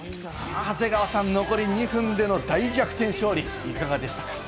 残り２分での大逆転勝利、いかがでしたか？